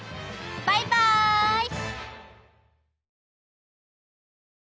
バイバイ！